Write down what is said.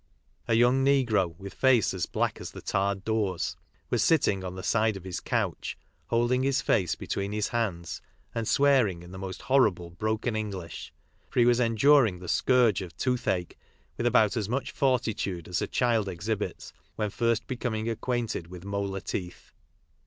A young negro, with face as black as the tarred doors, was sitting on the side of his couch, holding his tace between his hands, and swearing in the most horrible broken English, for he was enduring the scourge of toothache with about as much fortitude as a child exhibits when first becoming acquainted with molar teeth.